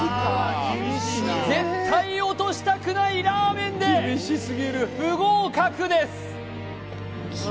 絶対落としたくないラーメンで不合格です！